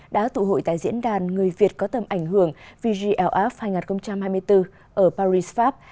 đã tụ hội tại diễn đàn người việt có tầm ảnh hưởng vg lp hai nghìn hai mươi bốn ở paris pháp